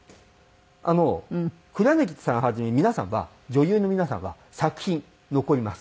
あの黒柳さんはじめ皆さんは女優の皆さんは作品残ります。